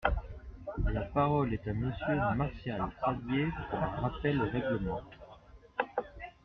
La parole est à Monsieur Martial Saddier, pour un rappel au règlement.